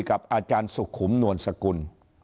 กับอาจารย์สุขุมนวลสกุล